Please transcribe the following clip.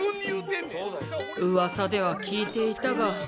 うわさでは聞いていたが。